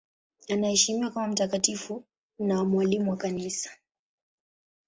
Anaheshimiwa kama mtakatifu na mwalimu wa Kanisa.